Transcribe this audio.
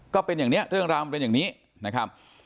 ก็เป็นอย่างนี้เรื่องราวมันเป็นอย่างนี้นะครับ